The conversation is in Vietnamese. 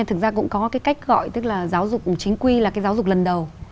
thực ra cũng có cái cách gọi tức là giáo dục chính quy là cái giáo dục lần đầu